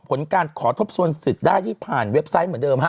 ผลการขอทบทวนสิทธิ์ได้ที่ผ่านเว็บไซต์เหมือนเดิมฮะ